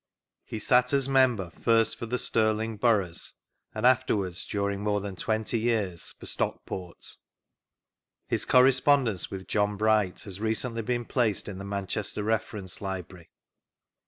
He sat as member, first for the Stirling Burghs, and after wards, during more than twenty years, for Stock port, His correspondence with John Bright has recently been [daced in the Manchester Reference Library.